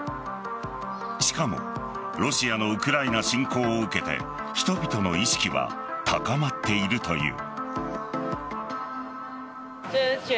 しかもロシアのウクライナ侵攻を受けて人々の意識は高まっているという。